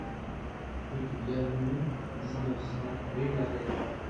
Rue du Vialmur, dix-neuf, cent Brive-la-Gaillarde